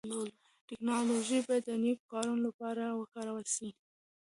ټکنالوژي بايد د نيکو کارونو لپاره وکارول سي.